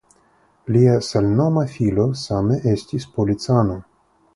Lia samnoma filo same estis policano.